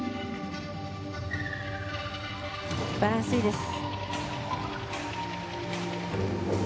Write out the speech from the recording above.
バランスいいです。